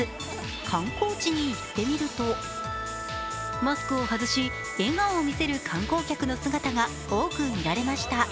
観光地に行ってみるとマスクを外し笑顔を見せる観光客の姿が多く見られました。